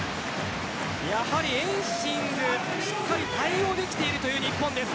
エンシングしっかり対応できている日本です